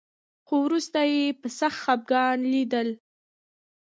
خو وروسته یې په سخت خپګان لیدل